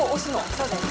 ◆そうです。